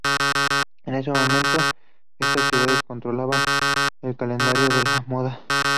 En ese momento, estas ciudades controlaban el calendario de la moda.